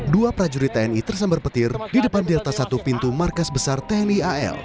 dua prajurit tni tersambar petir di depan di atas satu pintu markas besar tni al